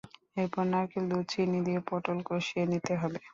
এরপর নারকেল দুধ চিনি দিয়ে পটল কষিয়ে নিতে হবে।